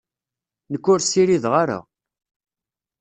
Nekk ur ssirideɣ ara.